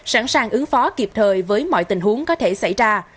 sẵn sàng ứng phó kịp thời với mọi tình huống có thể xảy ra